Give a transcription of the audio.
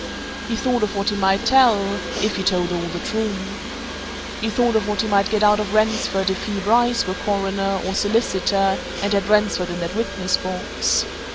He thought of what he might tell if he told all the truth. He thought of what he might get out of Ransford if he, Bryce, were Coroner, or solicitor, and had Ransford in that witness box.